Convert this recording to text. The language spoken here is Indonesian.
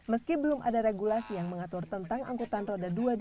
meski belum ada regulasi yang mengatur tentang angkutan roda dua dengan alasan goya